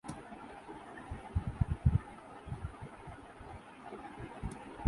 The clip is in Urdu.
کسی سیاسی سرگرمی پر پابندی نہیں تھی۔